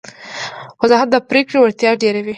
وضاحت د پرېکړې وړتیا ډېروي.